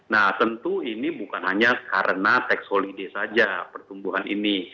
nah tentu ini bukan hanya karena tax holiday saja pertumbuhan ini